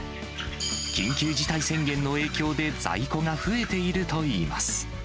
緊急事態宣言の影響で在庫が増えているといいます。